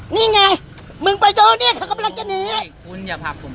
นี่ไงมึงไปโจเนี่ยเขากำลังจะเหนื่อย